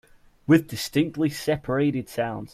With distinctly separated sounds.